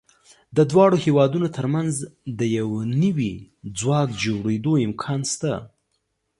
د دواړو هېوادونو تر منځ د یو نوي ځواک جوړېدو امکان شته.